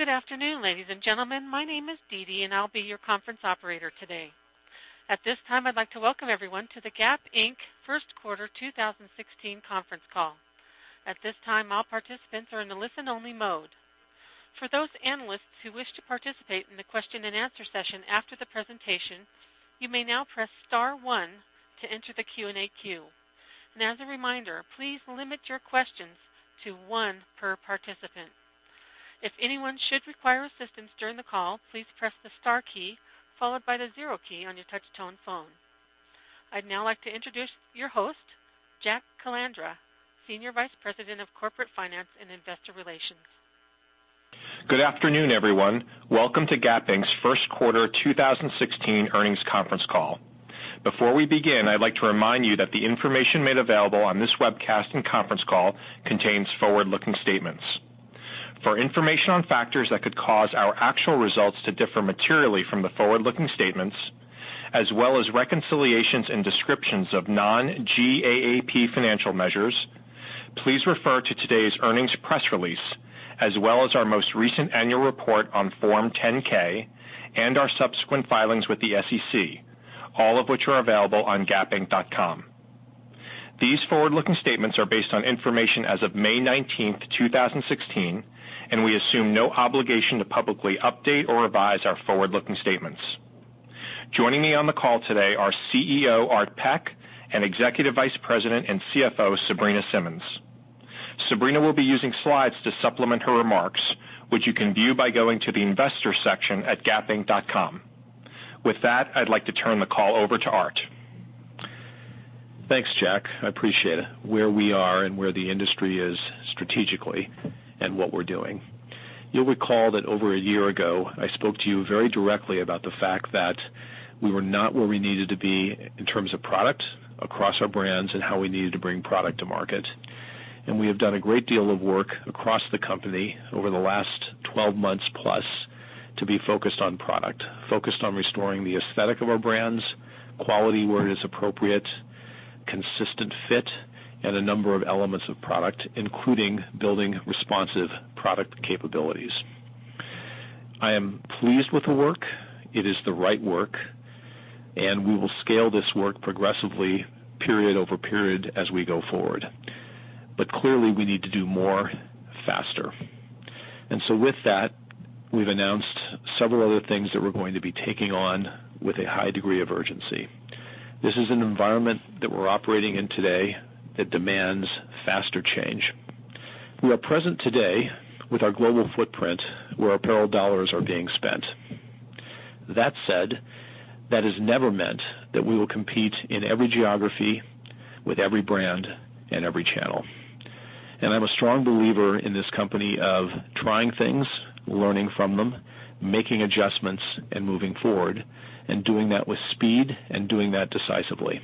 Good afternoon, ladies and gentlemen. My name is Dee Dee, and I'll be your conference operator today. At this time, I'd like to welcome everyone to the Gap Inc. First Quarter 2016 conference call. At this time, all participants are in a listen-only mode. For those analysts who wish to participate in the question and answer session after the presentation, you may now press star one to enter the Q&A queue. As a reminder, please limit your questions to one per participant. If anyone should require assistance during the call, please press the star key followed by the zero key on your touch-tone phone. I'd now like to introduce your host, Jack Calandra, Senior Vice President of Corporate Finance and Investor Relations. Good afternoon, everyone. Welcome to Gap Inc.'s First Quarter 2016 earnings conference call. Before we begin, I'd like to remind you that the information made available on this webcast and conference call contains forward-looking statements. For information on factors that could cause our actual results to differ materially from the forward-looking statements, as well as reconciliations and descriptions of non-GAAP financial measures, please refer to today's earnings press release, as well as our most recent annual report on Form 10-K and our subsequent filings with the SEC, all of which are available on gapinc.com. These forward-looking statements are based on information as of May 19, 2016, and we assume no obligation to publicly update or revise our forward-looking statements. Joining me on the call today are CEO Art Peck and Executive Vice President and CFO Sabrina Simmons. Sabrina will be using slides to supplement her remarks, which you can view by going to the investors section at gapinc.com. With that, I'd like to turn the call over to Art. Thanks, Jack. I appreciate it. Where we are and where the industry is strategically and what we're doing. You'll recall that over a year ago, I spoke to you very directly about the fact that we were not where we needed to be in terms of product across our brands and how we needed to bring product to market. We have done a great deal of work across the company over the last 12 months plus to be focused on product, focused on restoring the aesthetic of our brands, quality where it is appropriate, consistent fit, and a number of elements of product, including building responsive product capabilities. I am pleased with the work. It is the right work, and we will scale this work progressively period over period as we go forward. Clearly, we need to do more faster. With that, we've announced several other things that we're going to be taking on with a high degree of urgency. This is an environment that we're operating in today that demands faster change. We are present today with our global footprint where apparel dollars are being spent. That said, that has never meant that we will compete in every geography with every brand and every channel. I'm a strong believer in this company of trying things, learning from them, making adjustments, and moving forward, and doing that with speed and doing that decisively.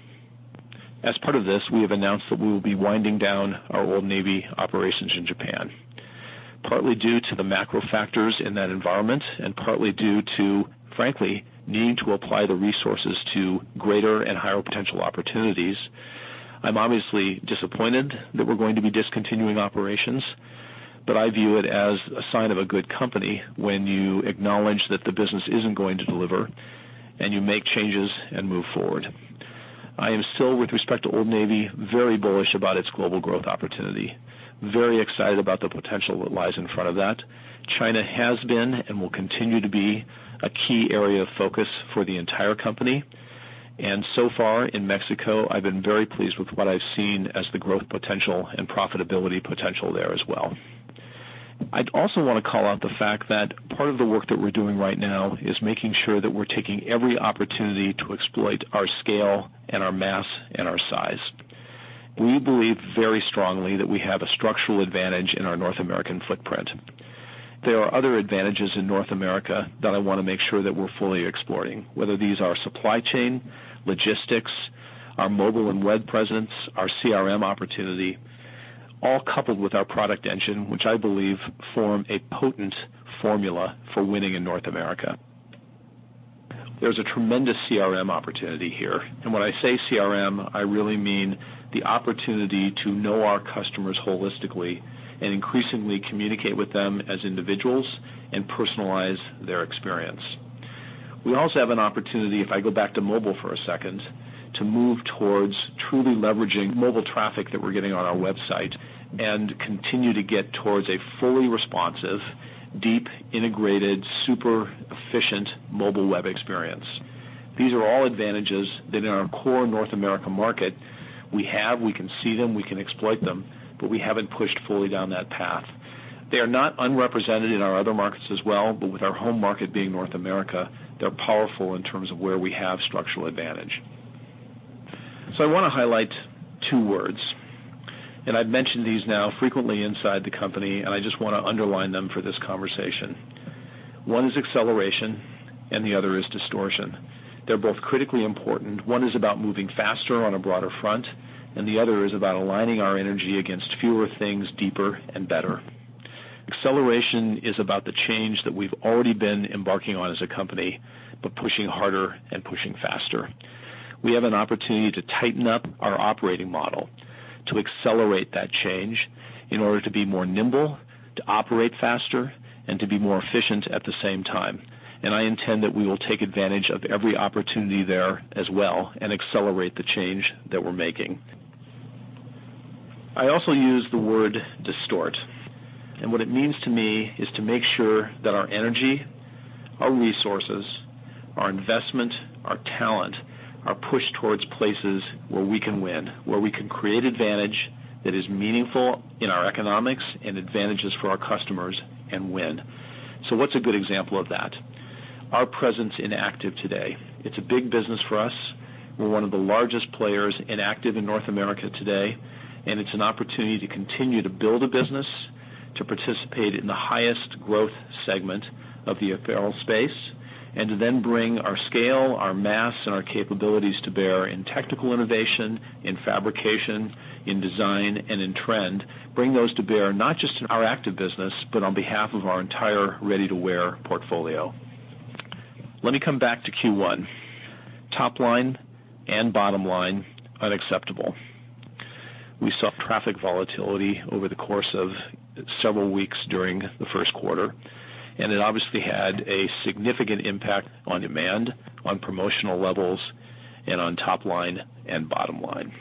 As part of this, we have announced that we will be winding down our Old Navy operations in Japan, partly due to the macro factors in that environment and partly due to, frankly, needing to apply the resources to greater and higher potential opportunities. I'm obviously disappointed that we're going to be discontinuing operations, I view it as a sign of a good company when you acknowledge that the business isn't going to deliver and you make changes and move forward. I am still, with respect to Old Navy, very bullish about its global growth opportunity, very excited about the potential that lies in front of that. China has been and will continue to be a key area of focus for the entire company. Far in Mexico, I've been very pleased with what I've seen as the growth potential and profitability potential there as well. I'd also want to call out the fact that part of the work that we're doing right now is making sure that we're taking every opportunity to exploit our scale and our mass and our size. We believe very strongly that we have a structural advantage in our North American footprint. There are other advantages in North America that I want to make sure that we're fully exploring, whether these are supply chain, logistics, our mobile and web presence, our CRM opportunity, all coupled with our product engine, which I believe form a potent formula for winning in North America. There's a tremendous CRM opportunity here. When I say CRM, I really mean the opportunity to know our customers holistically and increasingly communicate with them as individuals and personalize their experience. We also have an opportunity, if I go back to mobile for a second, to move towards truly leveraging mobile traffic that we're getting on our website and continue to get towards a fully responsive, deep, integrated, super efficient mobile web experience. These are all advantages that in our core North America market, we have, we can see them, we can exploit them, we haven't pushed fully down that path. They are not unrepresented in our other markets as well, with our home market being North America, they're powerful in terms of where we have structural advantage. I want to highlight two words, I've mentioned these now frequently inside the company, I just want to underline them for this conversation. One is acceleration and the other is distortion. They're both critically important. One is about moving faster on a broader front, the other is about aligning our energy against fewer things deeper and better. Acceleration is about the change that we've already been embarking on as a company, pushing harder and pushing faster. We have an opportunity to tighten up our operating model to accelerate that change in order to be more nimble, to operate faster, and to be more efficient at the same time. I intend that we will take advantage of every opportunity there as well and accelerate the change that we're making. I also use the word distort, what it means to me is to make sure that our energy, our resources, our investment, our talent, are pushed towards places where we can win, where we can create advantage that is meaningful in our economics and advantages for our customers, and win. What's a good example of that? Our presence in active today, it's a big business for us. We're one of the largest players in active in North America today, it's an opportunity to continue to build a business, to participate in the highest growth segment of the apparel space, to then bring our scale, our mass, and our capabilities to bear in technical innovation, in fabrication, in design, and in trend. Bring those to bear not just in our active business, but on behalf of our entire ready-to-wear portfolio. Let me come back to Q1. Top line and bottom line, unacceptable. We saw traffic volatility over the course of several weeks during the first quarter, it obviously had a significant impact on demand, on promotional levels, and on top line and bottom line.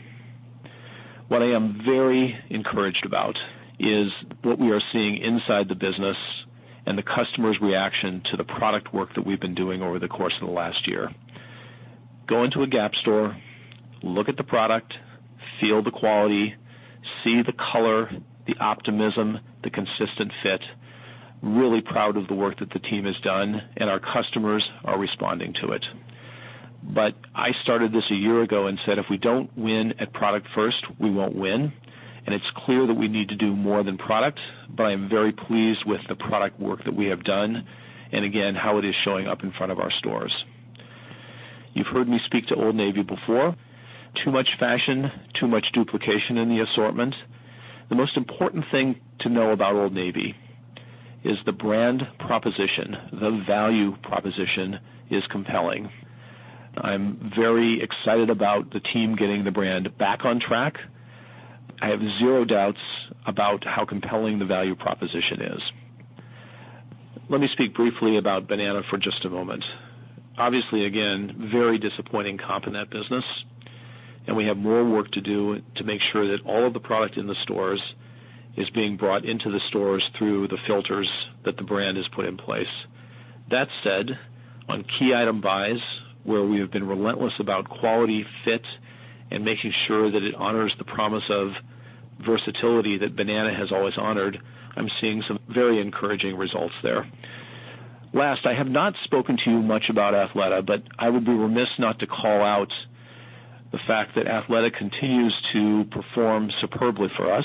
What I am very encouraged about is what we are seeing inside the business and the customer's reaction to the product work that we've been doing over the course of the last year. Go into a Gap store, look at the product, feel the quality, see the color, the optimism, the consistent fit. Really proud of the work that the team has done, our customers are responding to it. I started this a year ago and said, "If we don't win at product first, we won't win." It's clear that we need to do more than product, but I am very pleased with the product work that we have done, and again, how it is showing up in front of our stores. You've heard me speak to Old Navy before. Too much fashion, too much duplication in the assortment. The most important thing to know about Old Navy is the brand proposition. The value proposition is compelling. I'm very excited about the team getting the brand back on track. I have zero doubts about how compelling the value proposition is. Let me speak briefly about Banana for just a moment. Obviously, again, very disappointing comp in that business, we have more work to do to make sure that all of the product in the stores is being brought into the stores through the filters that the brand has put in place. That said, on key item buys, where we have been relentless about quality, fit, and making sure that it honors the promise of versatility that Banana has always honored, I'm seeing some very encouraging results there. I have not spoken to you much about Athleta, but I would be remiss not to call out the fact that Athleta continues to perform superbly for us,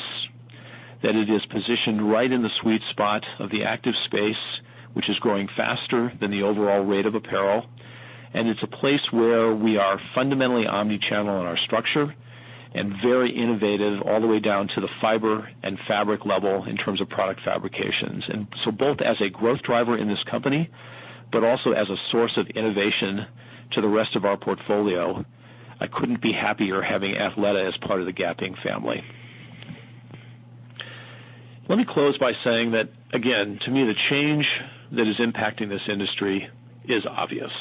that it is positioned right in the sweet spot of the active space, which is growing faster than the overall rate of apparel. It's a place where we are fundamentally omni-channel in our structure and very innovative all the way down to the fiber and fabric level in terms of product fabrications. Both as a growth driver in this company, but also as a source of innovation to the rest of our portfolio, I couldn't be happier having Athleta as part of the Gap Inc. family. Let me close by saying that again, to me, the change that is impacting this industry is obvious.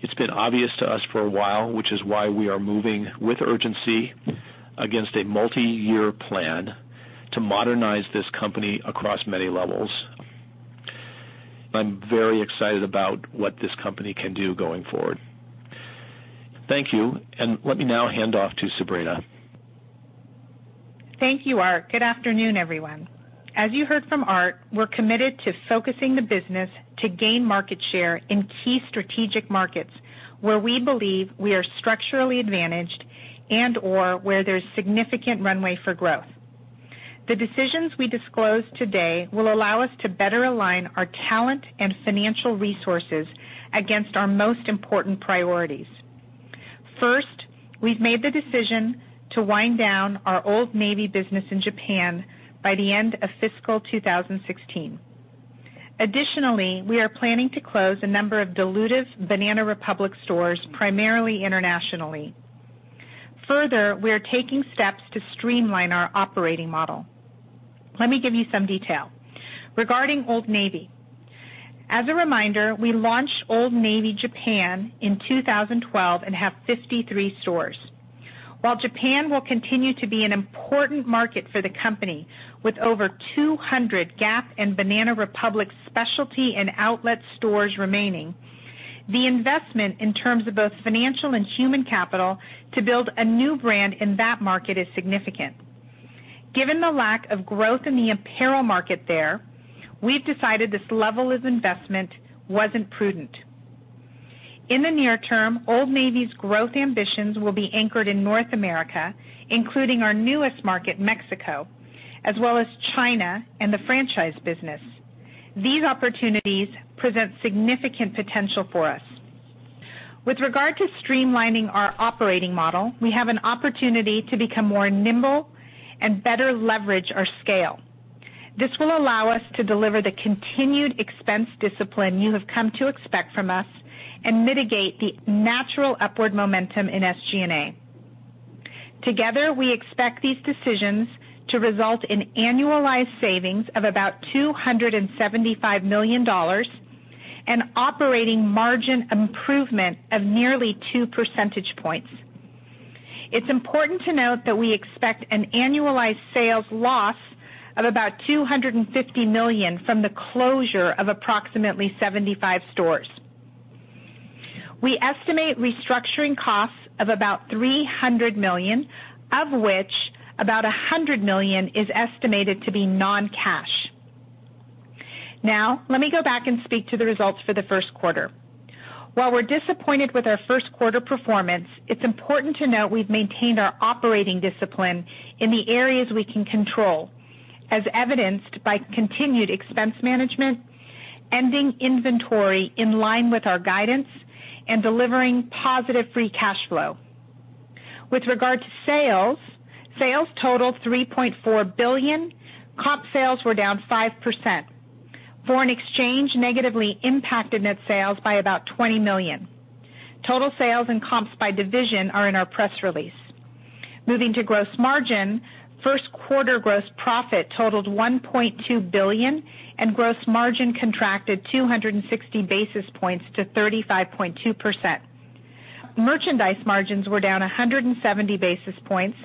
It's been obvious to us for a while, which is why we are moving with urgency against a multi-year plan to modernize this company across many levels. I'm very excited about what this company can do going forward. Thank you, and let me now hand off to Sabrina. Thank you, Art. Good afternoon, everyone. As you heard from Art, we're committed to focusing the business to gain market share in key strategic markets where we believe we are structurally advantaged and/or where there's significant runway for growth. The decisions we disclose today will allow us to better align our talent and financial resources against our most important priorities. First, we've made the decision to wind down our Old Navy business in Japan by the end of fiscal 2016. Additionally, we are planning to close a number of dilutive Banana Republic stores, primarily internationally. Further, we are taking steps to streamline our operating model. Let me give you some detail. Regarding Old Navy, as a reminder, we launched Old Navy Japan in 2012 and have 53 stores. While Japan will continue to be an important market for the company, with over 200 Gap and Banana Republic specialty and outlet stores remaining, the investment in terms of both financial and human capital to build a new brand in that market is significant. Given the lack of growth in the apparel market there, we've decided this level of investment wasn't prudent. In the near term, Old Navy's growth ambitions will be anchored in North America, including our newest market, Mexico, as well as China and the franchise business. These opportunities present significant potential for us. With regard to streamlining our operating model, we have an opportunity to become more nimble and better leverage our scale. This will allow us to deliver the continued expense discipline you have come to expect from us and mitigate the natural upward momentum in SG&A. Together, we expect these decisions to result in annualized savings of about $275 million and operating margin improvement of nearly two percentage points. It's important to note that we expect an annualized sales loss of about $250 million from the closure of approximately 75 stores. We estimate restructuring costs of about $300 million, of which about $100 million is estimated to be non-cash. Let me go back and speak to the results for the first quarter. While we're disappointed with our first quarter performance, it's important to note we've maintained our operating discipline in the areas we can control, as evidenced by continued expense management, ending inventory in line with our guidance, and delivering positive free cash flow. With regard to sales totaled $3.4 billion. Comp sales were down 5%. Foreign exchange negatively impacted net sales by about $20 million. Total sales and comps by division are in our press release. Moving to gross margin, first quarter gross profit totaled $1.2 billion, and gross margin contracted 260 basis points to 35.2%. Merchandise margins were down 170 basis points,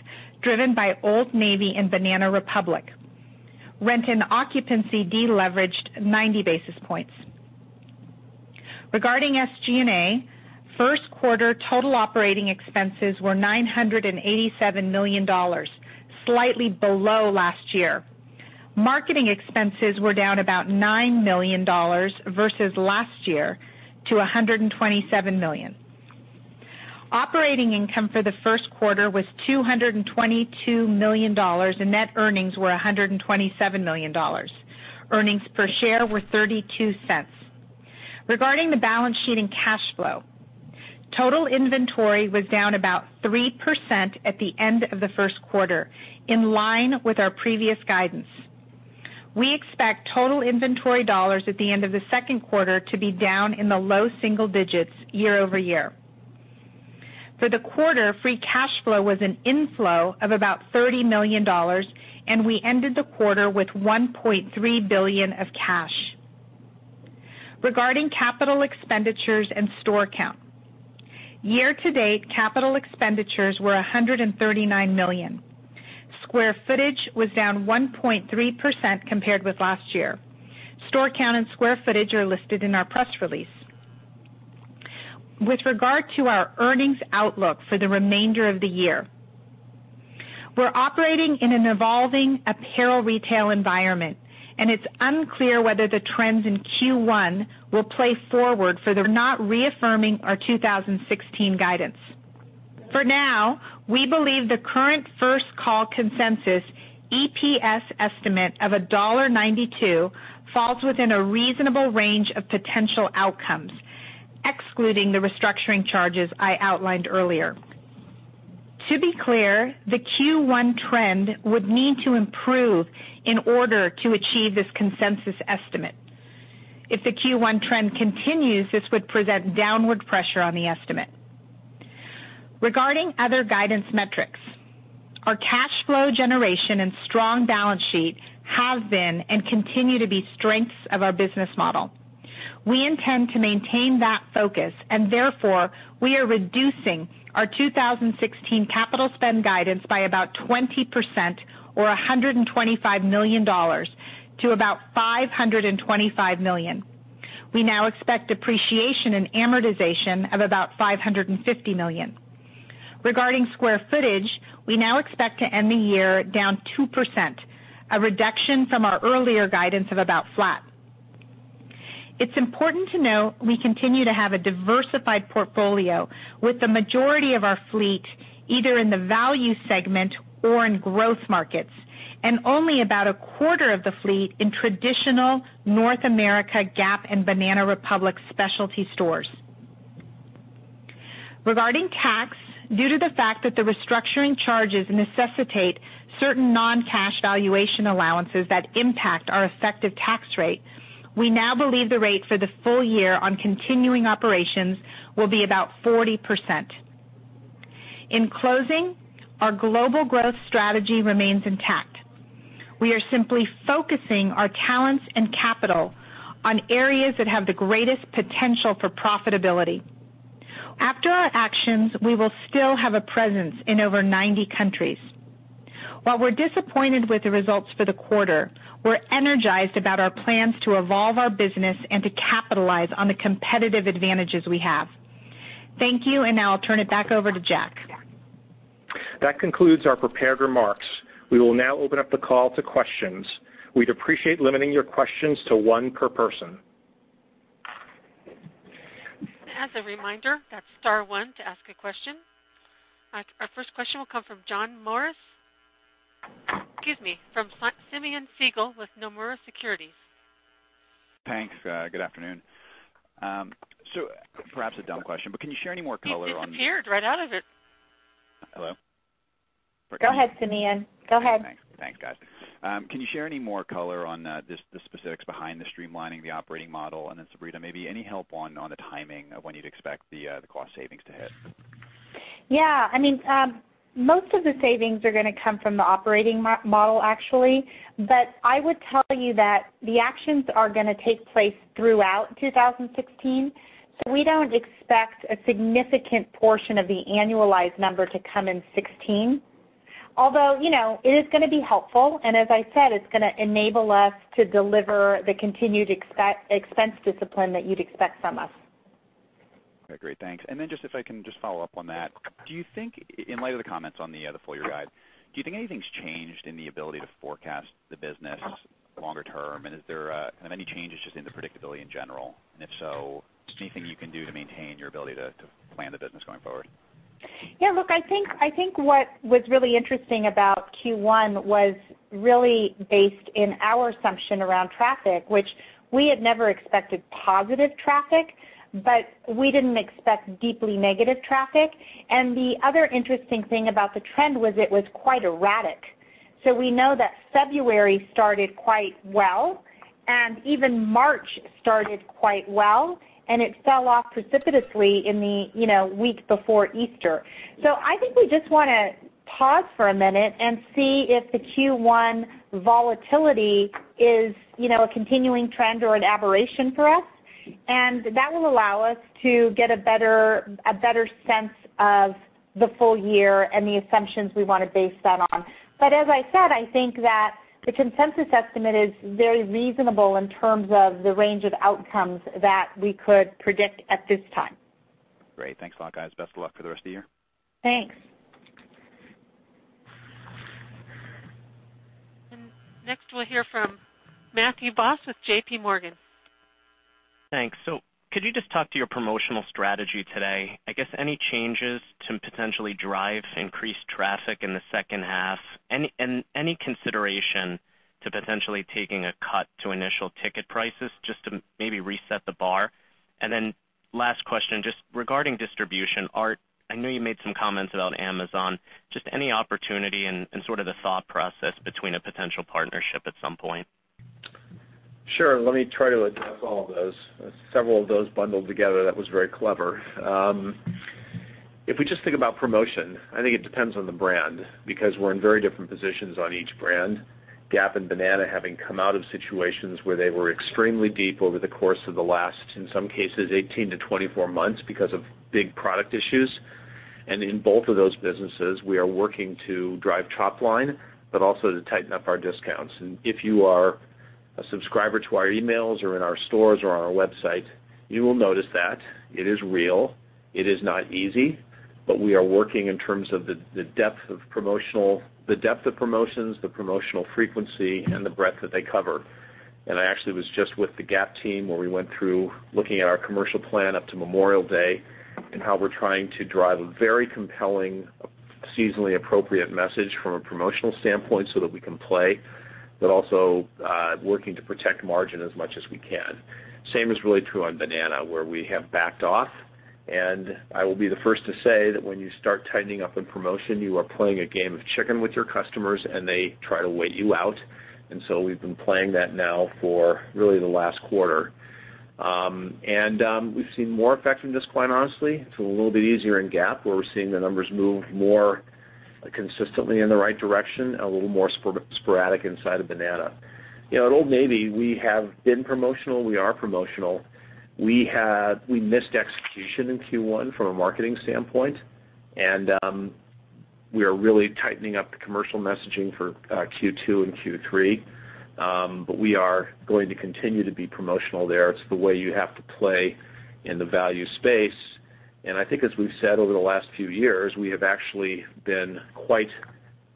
driven by Old Navy and Banana Republic. Rent and occupancy de-leveraged 90 basis points. Regarding SG&A, first quarter total operating expenses were $987 million, slightly below last year. Marketing expenses were down about $9 million versus last year to $127 million. Operating income for the first quarter was $222 million, and net earnings were $127 million. Earnings per share were $0.32. Regarding the balance sheet and cash flow, total inventory was down about 3% at the end of the first quarter, in line with our previous guidance. We expect total inventory dollars at the end of the second quarter to be down in the low single digits year-over-year. For the quarter, free cash flow was an inflow of about $30 million, and we ended the quarter with $1.3 billion of cash. Regarding capital expenditures and store count, year-to-date, capital expenditures were $139 million. Square footage was down 1.3% compared with last year. Store count and square footage are listed in our press release. With regard to our earnings outlook for the remainder of the year, we're operating in an evolving apparel retail environment, and it's unclear whether the trends in Q1 will play forward. We're not reaffirming our 2016 guidance. For now, we believe the current First Call consensus EPS estimate of $1.92 falls within a reasonable range of potential outcomes, excluding the restructuring charges I outlined earlier. To be clear, the Q1 trend would need to improve in order to achieve this consensus estimate. If the Q1 trend continues, this would present downward pressure on the estimate. Regarding other guidance metrics, our cash flow generation and strong balance sheet have been and continue to be strengths of our business model. We intend to maintain that focus. Therefore, we are reducing our 2016 capital spend guidance by about 20% or $125 million to about $525 million. We now expect depreciation and amortization of about $550 million. Regarding square footage, we now expect to end the year down 2%, a reduction from our earlier guidance of about flat. It's important to note we continue to have a diversified portfolio with the majority of our fleet either in the value segment or in growth markets, and only about a quarter of the fleet in traditional North America Gap and Banana Republic specialty stores. Regarding tax, due to the fact that the restructuring charges necessitate certain non-cash valuation allowances that impact our effective tax rate, we now believe the rate for the full year on continuing operations will be about 40%. In closing, our global growth strategy remains intact. We are simply focusing our talents and capital on areas that have the greatest potential for profitability. After our actions, we will still have a presence in over 90 countries. While we're disappointed with the results for the quarter, we're energized about our plans to evolve our business and to capitalize on the competitive advantages we have. Thank you, and now I'll turn it back over to Jack. That concludes our prepared remarks. We will now open up the call to questions. We'd appreciate limiting your questions to one per person. As a reminder, that's star one to ask a question. Our first question will come from John Morris. Excuse me. From Simeon Siegel with Nomura Securities. Thanks. Good afternoon. Perhaps a dumb question, but can you share any more color. He disappeared right out of it. Hello? Go ahead, Simeon. Go ahead. Thanks, guys. Can you share any more color on just the specifics behind the streamlining the operating model, and then, Sabrina, maybe any help on the timing of when you'd expect the cost savings to hit? Yeah. Most of the savings are going to come from the operating model, actually. I would tell you that the actions are going to take place throughout 2016. We don't expect a significant portion of the annualized number to come in 2016. Although, it is going to be helpful, and as I said, it's going to enable us to deliver the continued expense discipline that you'd expect from us. Okay, great. Thanks. Just if I can just follow up on that, in light of the comments on the full-year guide, do you think anything's changed in the ability to forecast the business longer term? Is there any changes just in the predictability in general? If so, just anything you can do to maintain your ability to plan the business going forward? Yeah. Look, I think what was really interesting about Q1 was really based in our assumption around traffic, which we had never expected positive traffic, but we didn't expect deeply negative traffic. The other interesting thing about the trend was it was quite erratic. We know that February started quite well, even March started quite well, and it fell off precipitously in the week before Easter. I think we just want to pause for a minute and see if the Q1 volatility is a continuing trend or an aberration for us. That will allow us to get a better sense of the full year and the assumptions we want to base that on. As I said, I think that the consensus estimate is very reasonable in terms of the range of outcomes that we could predict at this time. Great. Thanks a lot, guys. Best of luck for the rest of the year. Thanks. Next we'll hear from Matthew Boss with J.P. Morgan. Thanks. Could you just talk to your promotional strategy today? I guess any changes to potentially drive increased traffic in the second half, and any consideration to potentially taking a cut to initial ticket prices just to maybe reset the bar. Last question, just regarding distribution. Art, I know you made some comments about Amazon. Just any opportunity and sort of the thought process between a potential partnership at some point. Sure. Let me try to address all of those. Several of those bundled together. That was very clever. If we just think about promotion, I think it depends on the brand because we're in very different positions on each brand. Gap and Banana having come out of situations where they were extremely deep over the course of the last, in some cases, 18-24 months because of big product issues. In both of those businesses, we are working to drive top line, but also to tighten up our discounts. If you are a subscriber to our emails or in our stores or on our website, you will notice that. It is real. It is not easy, but we are working in terms of the depth of promotions, the promotional frequency, and the breadth that they cover. I actually was just with the Gap team where we went through looking at our commercial plan up to Memorial Day and how we're trying to drive a very compelling, seasonally appropriate message from a promotional standpoint so that we can play, but also working to protect margin as much as we can. Same is really true on Banana, where we have backed off. I will be the first to say that when you start tightening up a promotion, you are playing a game of chicken with your customers, and they try to wait you out. We've been playing that now for really the last quarter. We've seen more effect from this, quite honestly. It's a little bit easier in Gap, where we're seeing the numbers move more consistently in the right direction, a little more sporadic inside of Banana. At Old Navy, we have been promotional. We are promotional. We missed execution in Q1 from a marketing standpoint. We are really tightening up the commercial messaging for Q2 and Q3. We are going to continue to be promotional there. It's the way you have to play in the value space. I think as we've said over the last few years, we have actually been quite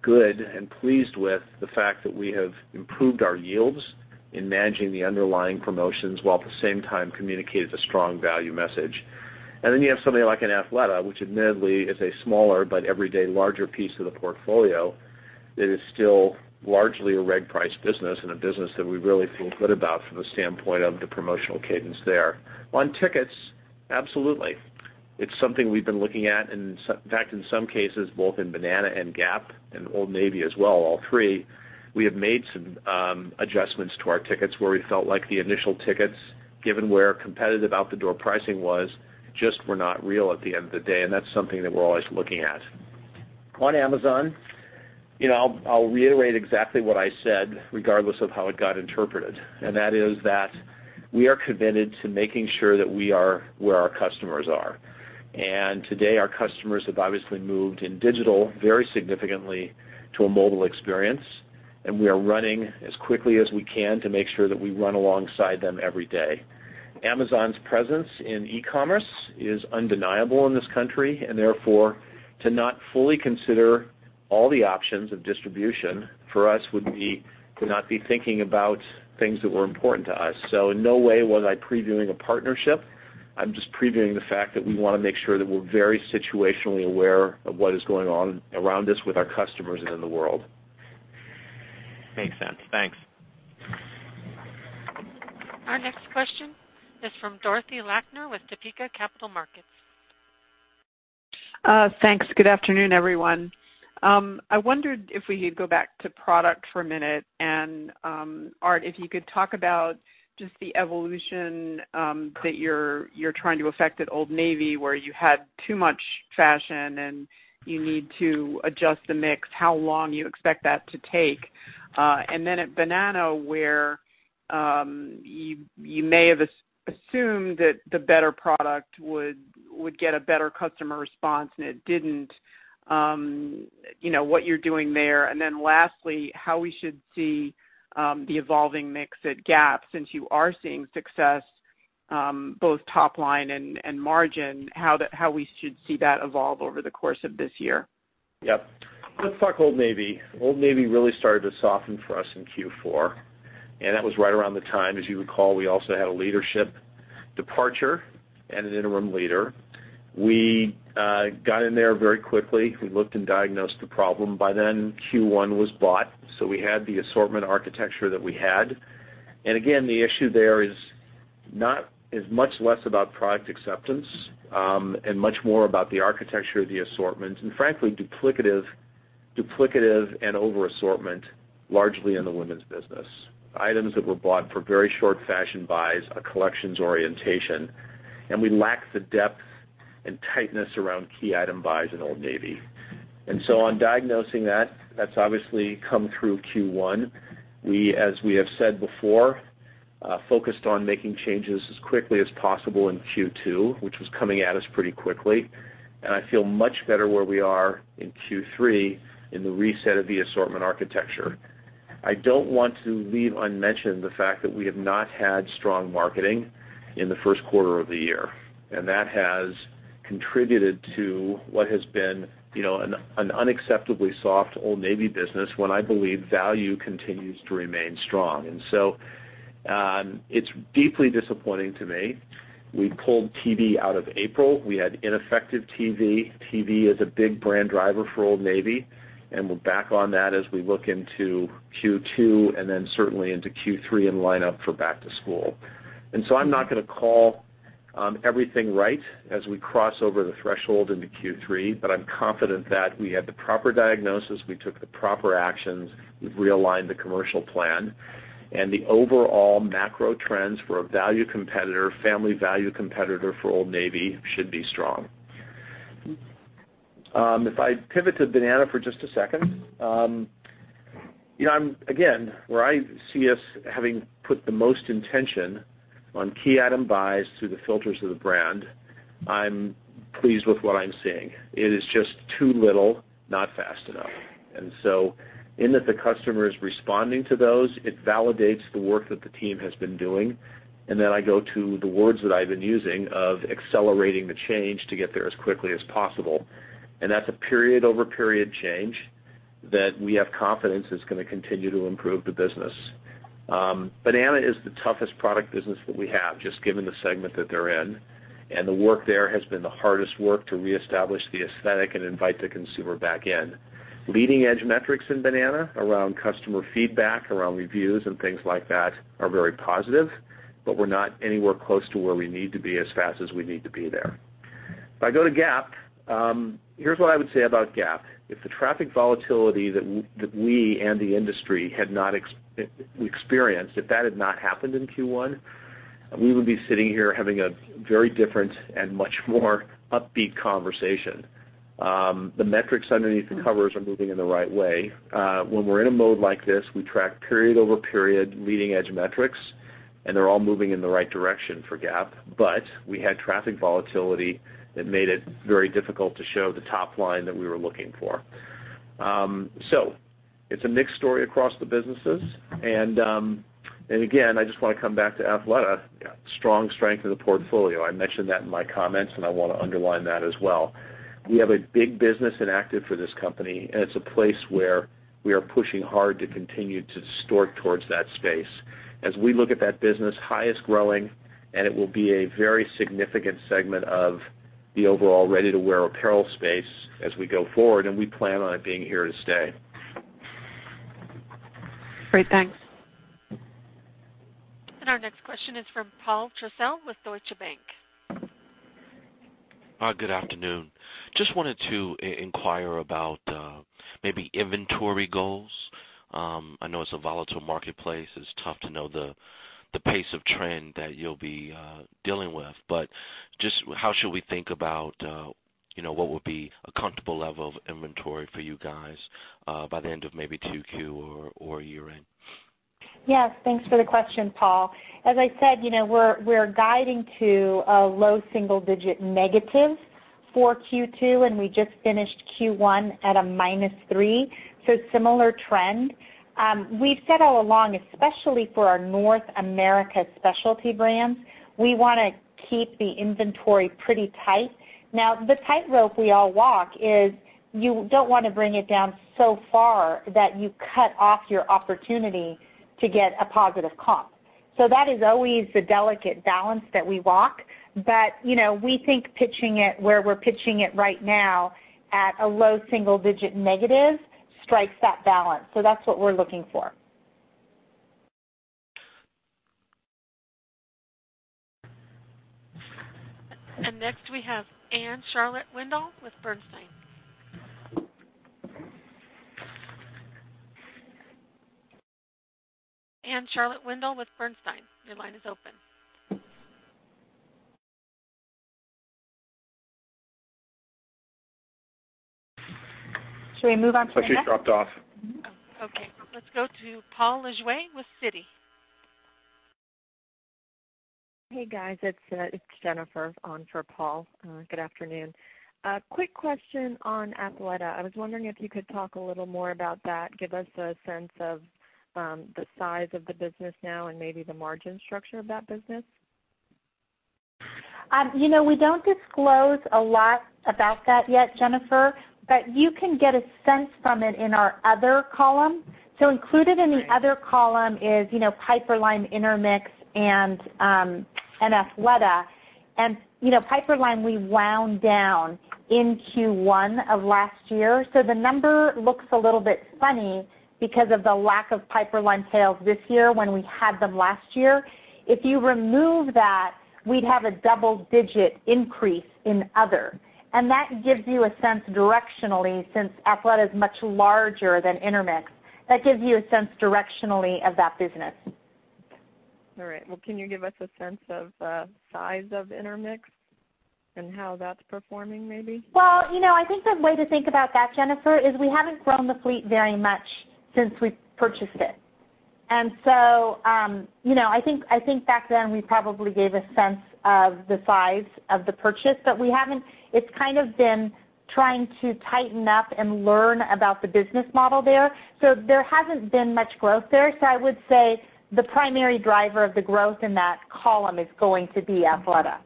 good and pleased with the fact that we have improved our yields in managing the underlying promotions while at the same time communicated a strong value message. You have something like an Athleta, which admittedly is a smaller but every day larger piece of the portfolio, that is still largely a reg price business and a business that we really feel good about from the standpoint of the promotional cadence there. On tickets, absolutely. It's something we've been looking at. In fact, in some cases, both in Banana and Gap and Old Navy as well, all three, we have made some adjustments to our tickets where we felt like the initial tickets, given where competitive out the door pricing was, just were not real at the end of the day. That's something that we're always looking at. On Amazon, I'll reiterate exactly what I said, regardless of how it got interpreted, and that is that we are committed to making sure that we are where our customers are. Today, our customers have obviously moved in digital very significantly to a mobile experience, and we are running as quickly as we can to make sure that we run alongside them every day. Amazon's presence in e-commerce is undeniable in this country, therefore, to not fully consider all the options of distribution for us would not be thinking about things that were important to us. In no way was I previewing a partnership. I'm just previewing the fact that we want to make sure that we're very situationally aware of what is going on around us, with our customers, and in the world. Makes sense. Thanks. Our next question is from Dorothy Lakner with Topeka Capital Markets. Thanks. Good afternoon, everyone. I wondered if we could go back to product for a minute, and Art, if you could talk about just the evolution that you're trying to affect at Old Navy, where you had too much fashion and you need to adjust the mix, how long you expect that to take. At Banana, where you may have assumed that the better product would get a better customer response, and it didn't, what you're doing there. Lastly, how we should see the evolving mix at Gap, since you are seeing success both top line and margin, how we should see that evolve over the course of this year. Yep. Let's talk Old Navy. Old Navy really started to soften for us in Q4, and that was right around the time, as you recall, we also had a leadership departure and an interim leader. We got in there very quickly. We looked and diagnosed the problem. By then, Q1 was bought, so we had the assortment architecture that we had. The issue there is much less about product acceptance, and much more about the architecture of the assortment, and frankly, duplicative and over assortment, largely in the women's business. Items that were bought for very short fashion buys, a collections orientation. We lacked the depth and tightness around key item buys in Old Navy. On diagnosing that's obviously come through Q1. We, as we have said before, focused on making changes as quickly as possible in Q2, which was coming at us pretty quickly. I feel much better where we are in Q3 in the reset of the assortment architecture. I don't want to leave unmentioned the fact that we have not had strong marketing in the first quarter of the year. That has contributed to what has been an unacceptably soft Old Navy business when I believe value continues to remain strong. It's deeply disappointing to me. We pulled TV out of April. We had ineffective TV. TV is a big brand driver for Old Navy, and we're back on that as we look into Q2 and certainly into Q3 and line up for back to school. I'm not going to call everything right as we cross over the threshold into Q3, but I'm confident that we had the proper diagnosis, we took the proper actions, we've realigned the commercial plan, and the overall macro trends for a family value competitor for Old Navy should be strong. If I pivot to Banana for just a second. Where I see us having put the most intention on key item buys through the filters of the brand, I'm pleased with what I'm seeing. It is just too little, not fast enough. In that the customer is responding to those, it validates the work that the team has been doing, I go to the words that I've been using of accelerating the change to get there as quickly as possible. That's a period-over-period change that we have confidence is going to continue to improve the business. Banana is the toughest product business that we have, just given the segment that they're in. The work there has been the hardest work to reestablish the aesthetic and invite the consumer back in. Leading edge metrics in Banana around customer feedback, around reviews and things like that are very positive, but we're not anywhere close to where we need to be as fast as we need to be there. If I go to Gap, here's what I would say about Gap. If the traffic volatility that we and the industry had experienced, if that had not happened in Q1, we would be sitting here having a very different and much more upbeat conversation. The metrics underneath the covers are moving in the right way. When we're in a mode like this, we track period-over-period leading edge metrics, they're all moving in the right direction for Gap, we had traffic volatility that made it very difficult to show the top line that we were looking for. It's a mixed story across the businesses. Again, I just want to come back to Athleta. Strong strength of the portfolio. I mentioned that in my comments, I want to underline that as well. We have a big business in active for this company, it's a place where we are pushing hard to continue to distort towards that space. As we look at that business, highest growing, it will be a very significant segment of the overall ready-to-wear apparel space as we go forward, and we plan on it being here to stay. Great. Thanks. Our next question is from Paul Trussell with Deutsche Bank. Good afternoon. Just wanted to inquire about maybe inventory goals. I know it's a volatile marketplace. It's tough to know the pace of trend that you'll be dealing with. Just how should we think about what would be a comfortable level of inventory for you guys by the end of maybe 2Q or year-end? Yes. Thanks for the question, Paul. As I said, we're guiding to a low single-digit negative for Q2, and we just finished Q1 at a minus three. Similar trend. We've said all along, especially for our North America specialty brands, we want to keep the inventory pretty tight. Now, the tightrope we all walk is you don't want to bring it down so far that you cut off your opportunity to get a positive comp. That is always the delicate balance that we walk. We think pitching it where we're pitching it right now, at a low single-digit negative, strikes that balance. That's what we're looking for. Next, we have Anne-Charlotte Windal with Bernstein. Anne-Charlotte Windal with Bernstein, your line is open. Should we move on to the next? I think she dropped off. Oh, okay. Let's go to Paul Lejuez with Citi. Hey, guys. It's Jennifer on for Paul. Good afternoon. A quick question on Athleta. I was wondering if you could talk a little more about that, give us a sense of the size of the business now and maybe the margin structure of that business. We don't disclose a lot about that yet, Jennifer, but you can get a sense from it in our other column. Included in the other column is Piperlime, Intermix, and Athleta. Piperlime, we wound down in Q1 of last year. The number looks a little bit funny because of the lack of Piperlime sales this year when we had them last year. If you remove that, we'd have a double-digit increase in other. That gives you a sense directionally, since Athleta is much larger than Intermix, that gives you a sense directionally of that business. All right. Well, can you give us a sense of the size of Intermix and how that's performing, maybe? Well, I think the way to think about that, Jennifer, is we haven't grown the fleet very much since we've purchased it. I think back then we probably gave a sense of the size of the purchase, but it's kind of been trying to tighten up and learn about the business model there. There hasn't been much growth there. I would say the primary driver of the growth in that column is going to be Athleta.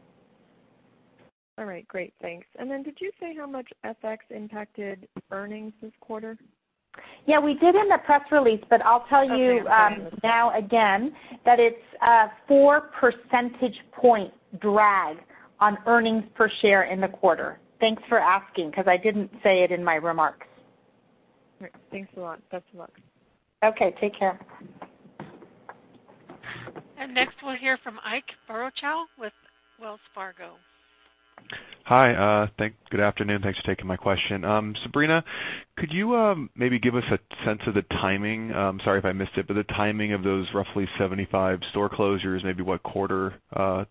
All right, great. Thanks. Did you say how much FX impacted earnings this quarter? Yeah, we did in the press release, I'll tell you now again that it's a four percentage point drag on earnings per share in the quarter. Thanks for asking, because I didn't say it in my remarks. All right. Thanks a lot. Best of luck. Okay, take care. Next we'll hear from Ike Boruchow with Wells Fargo. Hi. Good afternoon. Thanks for taking my question. Sabrina, could you maybe give us a sense of the timing, sorry if I missed it, but the timing of those roughly 75 store closures, maybe what quarter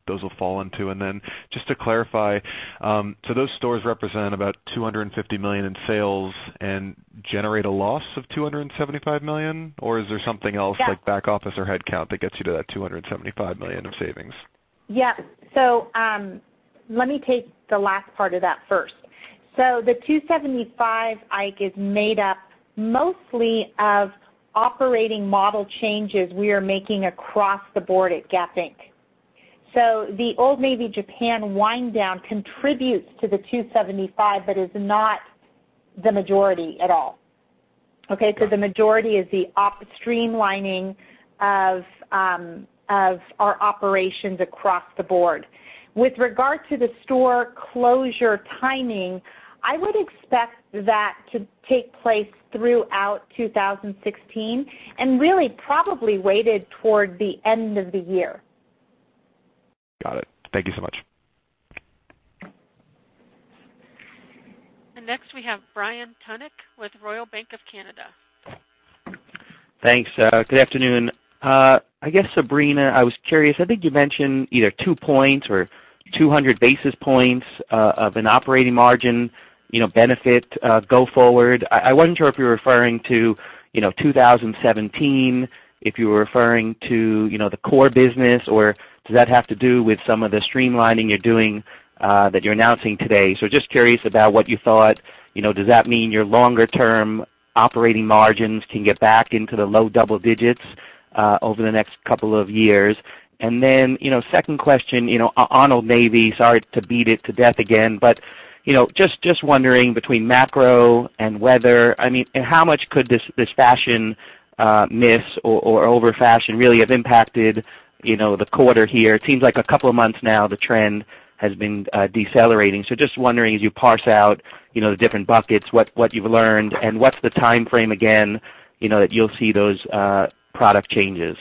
those will fall into? Then just to clarify, so those stores represent about $250 million in sales and generate a loss of $275 million, or is there something else like back office or headcount that gets you to that $275 million of savings? Yeah. Let me take the last part of that first. The 275, Ike, is made up mostly of operating model changes we are making across the board at Gap Inc. The Old Navy Japan wind down contributes to the 275 but is not the majority at all. Okay, the majority is the streamlining of our operations across the board. With regard to the store closure timing, I would expect that to take place throughout 2016 and really probably weighted toward the end of the year. Got it. Thank you so much. Next we have Brian Tunick with Royal Bank of Canada. Thanks. Good afternoon. I guess, Sabrina, I was curious, I think you mentioned either two points or 200 basis points of an operating margin benefit go forward. I wasn't sure if you were referring to 2017, if you were referring to the core business, or does that have to do with some of the streamlining you're doing that you're announcing today? Just curious about what you thought. Does that mean your longer term operating margins can get back into the low double digits over the next couple of years? Second question, on Old Navy, sorry to beat it to death again, but just wondering between macro and weather, how much could this fashion miss or over fashion really have impacted the quarter here? It seems like a couple of months now the trend has been decelerating. Just wondering, as you parse out the different buckets, what you've learned and what's the timeframe again that you'll see those product changes?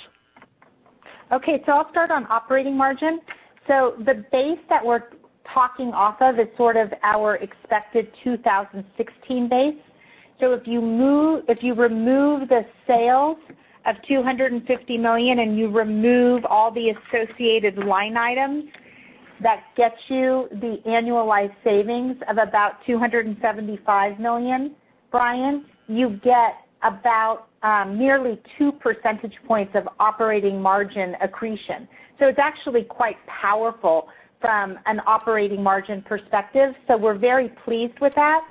Okay. I'll start on operating margin. The base that we're talking off of is sort of our expected 2016 base. If you remove the sales of $250 million and you remove all the associated line items, that gets you the annualized savings of about $275 million, Brian. You get about nearly two percentage points of operating margin accretion. It's actually quite powerful from an operating margin perspective, so we're very pleased with that.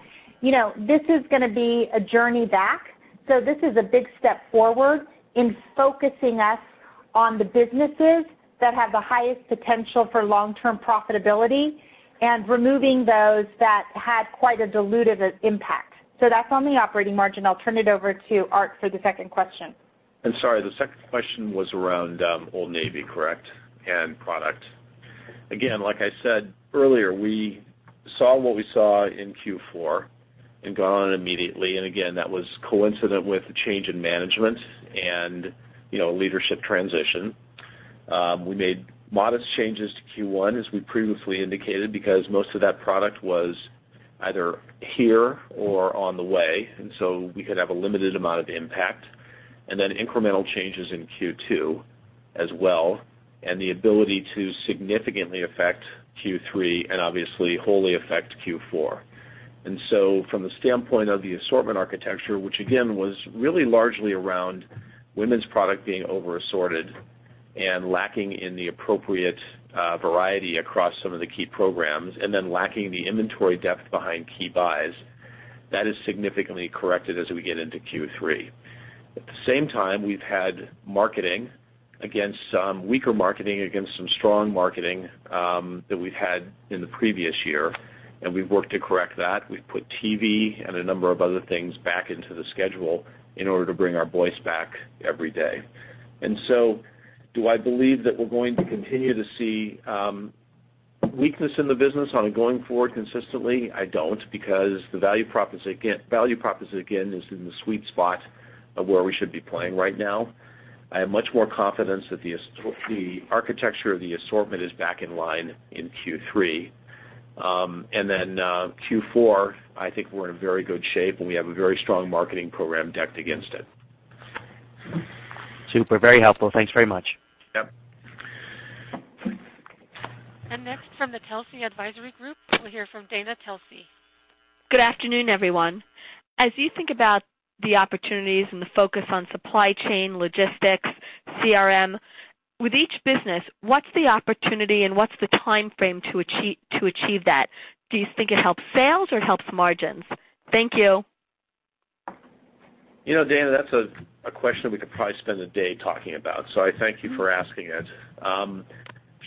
This is going to be a journey back. This is a big step forward in focusing us on the businesses that have the highest potential for long-term profitability and removing those that had quite a dilutive impact. That's on the operating margin. I'll turn it over to Art for the second question. Sorry, the second question was around Old Navy, correct, and product. Again, like I said earlier, we saw what we saw in Q4 and gone immediately. Again, that was coincident with the change in management and leadership transition. We made modest changes to Q1, as we previously indicated, because most of that product was either here or on the way, and so we could have a limited amount of impact. Then incremental changes in Q2 as well, and the ability to significantly affect Q3 and obviously wholly affect Q4. From the standpoint of the assortment architecture, which again, was really largely around women's product being over assorted and lacking in the appropriate variety across some of the key programs, and then lacking the inventory depth behind key buys, that is significantly corrected as we get into Q3. At the same time, we've had marketing against some weaker marketing, against some strong marketing that we've had in the previous year, and we've worked to correct that. We've put TV and a number of other things back into the schedule in order to bring our voice back every day. Do I believe that we're going to continue to see weakness in the business on a going forward consistently? I don't, because the value proposition again is in the sweet spot of where we should be playing right now. I have much more confidence that the architecture of the assortment is back in line in Q3. Then Q4, I think we're in very good shape, and we have a very strong marketing program decked against it. Super, very helpful. Thanks very much. Yep. Next from the Telsey Advisory Group, we'll hear from Dana Telsey. Good afternoon, everyone. As you think about the opportunities and the focus on supply chain logistics, CRM, with each business, what's the opportunity and what's the timeframe to achieve that? Do you think it helps sales or helps margins? Thank you. Dana, that's a question we could probably spend a day talking about. I thank you for asking it.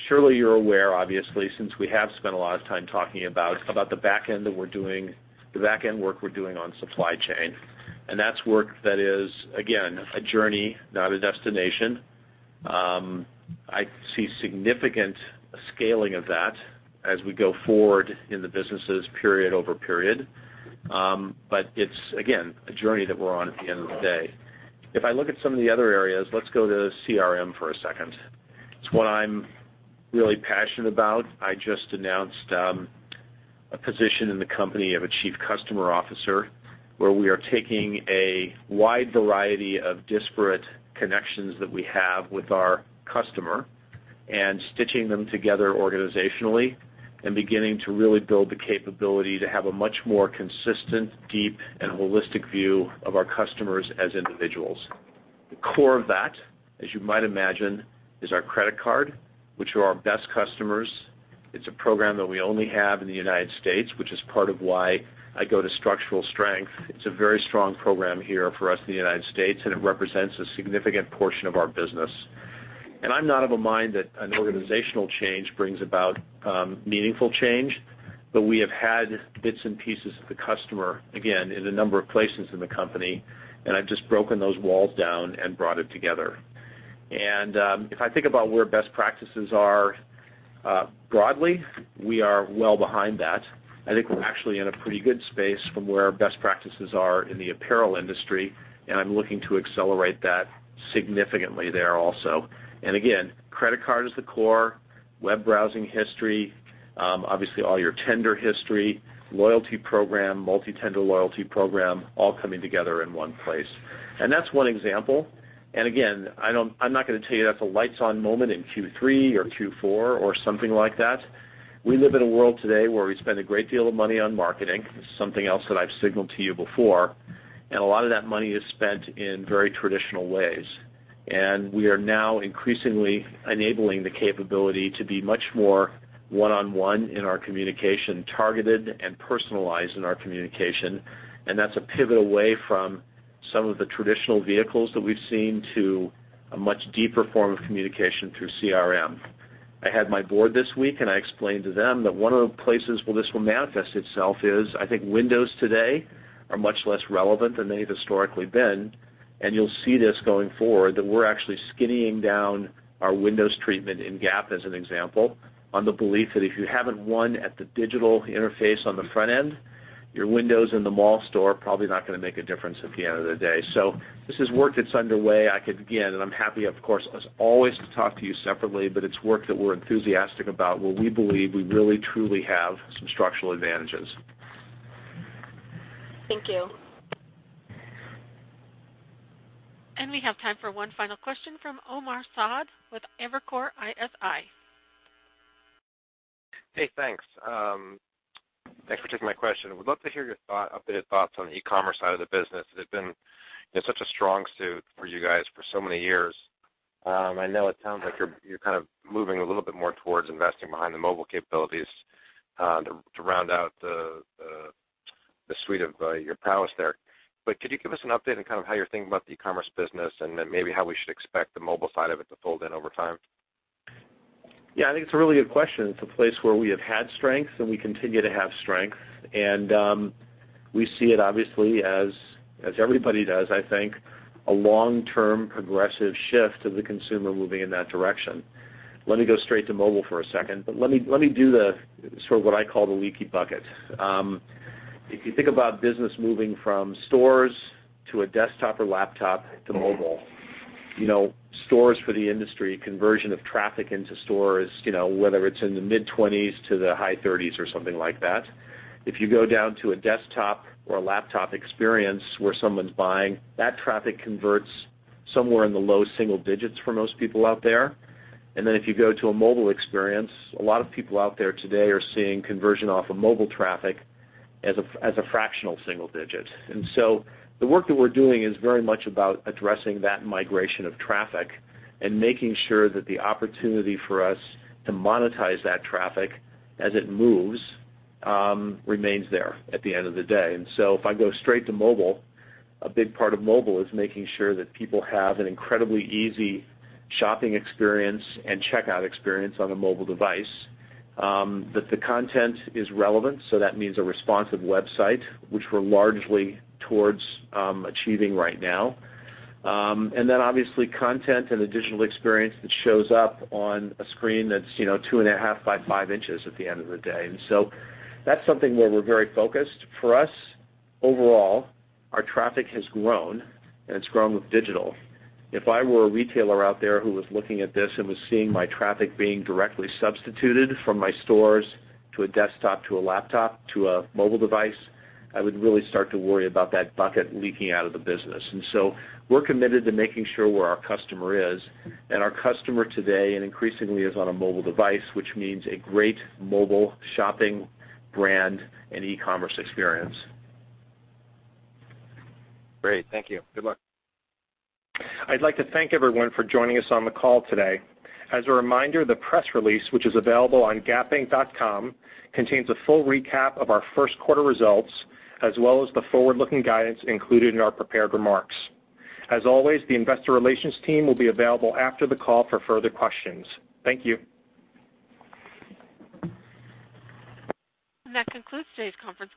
Surely you're aware, obviously, since we have spent a lot of time talking about the backend work we're doing on supply chain, and that's work that is, again, a journey, not a destination. I see significant scaling of that as we go forward in the businesses period over period. It's, again, a journey that we're on at the end of the day. If I look at some of the other areas, let's go to CRM for a second. It's what I'm really passionate about. I just announced a position in the company of a chief customer officer, where we are taking a wide variety of disparate connections that we have with our customer and stitching them together organizationally and beginning to really build the capability to have a much more consistent, deep and holistic view of our customers as individuals. The core of that, as you might imagine, is our credit card, which are our best customers. It's a program that we only have in the United States, which is part of why I go to structural strength. It's a very strong program here for us in the United States, and it represents a significant portion of our business. I'm not of a mind that an organizational change brings about meaningful change. We have had bits and pieces of the customer, again, in a number of places in the company, and I've just broken those walls down and brought it together. If I think about where best practices are broadly, we are well behind that. I think we're actually in a pretty good space from where our best practices are in the apparel industry, and I'm looking to accelerate that significantly there also. Again, credit card is the core, web browsing history, obviously all your tender history, loyalty program, multi-tender loyalty program, all coming together in one place. That's one example. Again, I'm not going to tell you that's a lights-on moment in Q3 or Q4 or something like that. We live in a world today where we spend a great deal of money on marketing. This is something else that I've signaled to you before, and a lot of that money is spent in very traditional ways. We are now increasingly enabling the capability to be much more one-on-one in our communication, targeted and personalized in our communication. That's a pivot away from some of the traditional vehicles that we've seen to a much deeper form of communication through CRM. I had my board this week, and I explained to them that one of the places where this will manifest itself is, I think windows today are much less relevant than they've historically been. You'll see this going forward, that we're actually skinning down our windows treatment in Gap, as an example, on the belief that if you haven't won at the digital interface on the front end, your windows in the mall store are probably not going to make a difference at the end of the day. This is work that's underway. I could begin, and I'm happy, of course, as always, to talk to you separately, but it's work that we're enthusiastic about where we believe we really truly have some structural advantages. Thank you. We have time for one final question from Omar Saad with Evercore ISI. Hey, thanks. Thanks for taking my question. I would love to hear your updated thoughts on the e-commerce side of the business. It had been such a strong suit for you guys for so many years. I know it sounds like you're kind of moving a little bit more towards investing behind the mobile capabilities to round out the suite of your prowess there. Could you give us an update on how you're thinking about the e-commerce business and then maybe how we should expect the mobile side of it to fold in over time? Yeah, I think it's a really good question. It's a place where we have had strength, we continue to have strength. We see it, obviously, as everybody does, I think, a long-term progressive shift of the consumer moving in that direction. Let me go straight to mobile for a second, but let me do the sort of what I call the leaky bucket. If you think about business moving from stores to a desktop or laptop to mobile. Stores for the industry, conversion of traffic into stores, whether it's in the mid-20s to the high 30s or something like that. If you go down to a desktop or a laptop experience where someone's buying, that traffic converts somewhere in the low single digits for most people out there. If you go to a mobile experience, a lot of people out there today are seeing conversion off of mobile traffic as a fractional single digit. The work that we're doing is very much about addressing that migration of traffic and making sure that the opportunity for us to monetize that traffic as it moves, remains there at the end of the day. If I go straight to mobile, a big part of mobile is making sure that people have an incredibly easy shopping experience and checkout experience on a mobile device. That the content is relevant, so that means a responsive website, which we're largely towards achieving right now. Obviously content and the digital experience that shows up on a screen that's two and a half by five inches at the end of the day. That's something where we're very focused. For us, overall, our traffic has grown, and it's grown with digital. If I were a retailer out there who was looking at this and was seeing my traffic being directly substituted from my stores to a desktop, to a laptop, to a mobile device, I would really start to worry about that bucket leaking out of the business. We're committed to making sure where our customer is, and our customer today and increasingly is on a mobile device, which means a great mobile shopping brand and e-commerce experience. Great. Thank you. Good luck. I'd like to thank everyone for joining us on the call today. As a reminder, the press release, which is available on gapinc.com, contains a full recap of our first quarter results, as well as the forward-looking guidance included in our prepared remarks. As always, the investor relations team will be available after the call for further questions. Thank you. That concludes today's conference call.